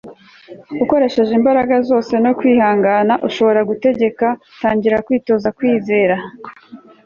ukoresheje imbaraga zose no kwihangana ushobora gutegeka, tangira kwitoza kwizera. - norman vincent peale